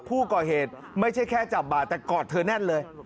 ผู้ก่อเหตุไม่ใช่แค่จับบาดแต่กอดเธอแน่นเลย